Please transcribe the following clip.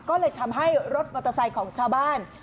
ก็เลยทำให้รถมอเตอร์ไซค์ของชาวบ้าน